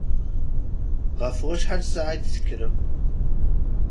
Ɣef wacḥal ssaɛa i d-tekkrem?